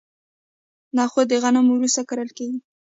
نخود د غنمو وروسته کرل کیږي.